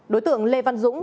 đối tượng lê văn dũng